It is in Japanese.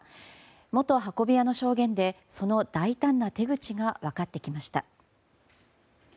元運び屋の証言でその大胆な手口が分かってきました。